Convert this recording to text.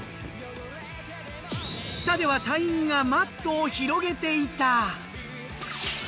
下では隊員がマットを広げていた。